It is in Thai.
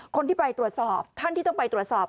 คนที่ไปตรวจสอบท่านที่ต้องไปตรวจสอบ